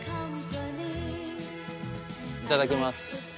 いただきます。